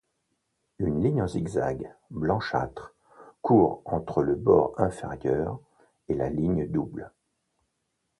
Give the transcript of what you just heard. Une ligne en zigzag, blanchâtre, court entre le bord inférieur et la ligne double.